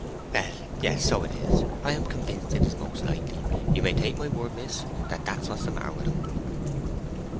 "Well, yes, so it is. I am convinced it is most likely. You may take my word, miss, that that's what's the matter with him."